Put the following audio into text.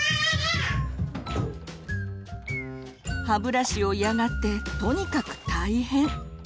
歯ブラシを嫌がってとにかく大変。